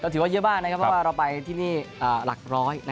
ก็ที่ว่าเยอะมากนะครับเราไปที่นี่หลักร้อย